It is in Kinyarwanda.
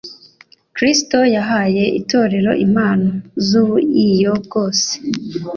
Kristo yahaye itorero impano z'ubuiyo bwose